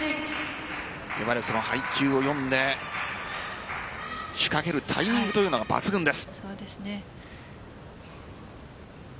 配球を読んで仕掛けるタイミングというのが抜群です。